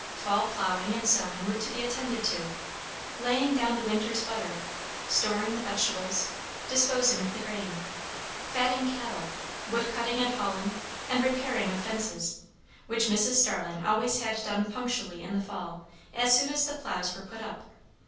Fall ploughing and sowing were to be attended to; laying down the winter's butter, storing the vegetables, disposing of the grain, fatting cattle, wood cutting and hauling, and repairing of fences, which Mrs. Starling always had done punctually in the fall as soon as the ploughs were put up.